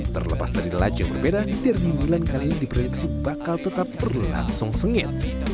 terlepas dari laju yang berbeda derming milan kali ini diproyeksi bakal tetap berlangsung sengit